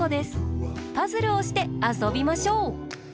パズルをしてあそびましょう！